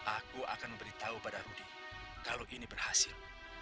aku akan memberitahu pada rudy kalau ini berhasil